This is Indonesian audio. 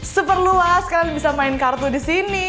seperluas kalian bisa main kartu di sini